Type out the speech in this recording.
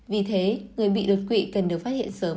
vì thế người bị đột quỵ cần được phát hiện sớm